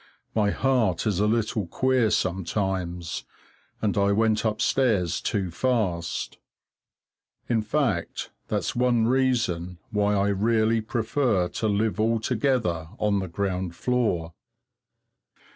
My heart is a little queer sometimes, and I went upstairs too fast. In fact, that's one reason why I really prefer to live altogether on the ground floor.